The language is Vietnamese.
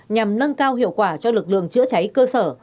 nhằm nâng cao hiệu quả cho lực lượng chữa cháy cơ sở